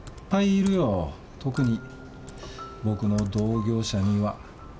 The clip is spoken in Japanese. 特に僕の同業者には。